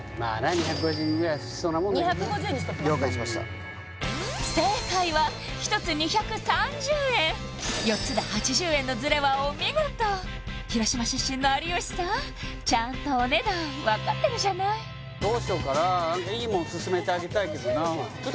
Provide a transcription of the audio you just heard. ２５０円ぐらいしそうなもんだけどな２５０円にしときますか了解しました正解は１つ２３０円４つで８０円のズレはお見事広島出身の有吉さんちゃんとお値段分かってるじゃないどうしようかな何かかきめしあるじゃん